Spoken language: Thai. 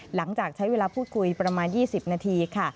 หลังจากใช้เวลาพูดคุยประมาณ๒๐นาทีค่ะ